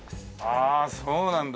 ああそうなんだ。